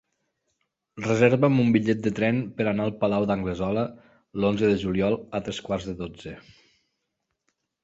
Reserva'm un bitllet de tren per anar al Palau d'Anglesola l'onze de juliol a tres quarts de dotze.